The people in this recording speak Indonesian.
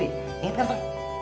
wih inget gak bang